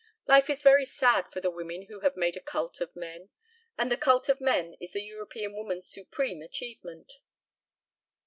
Life is very sad for the women who have made a cult of men, and the cult of men is the European woman's supreme achievement."